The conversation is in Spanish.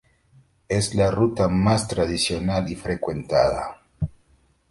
Es la ruta más tradicional y frecuentada.